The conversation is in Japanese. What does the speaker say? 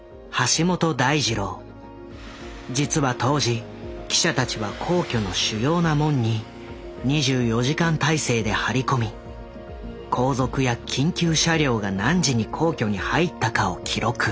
実は当時記者たちは皇居の主要な門に２４時間態勢で張り込み皇族や緊急車両が何時に皇居に入ったかを記録。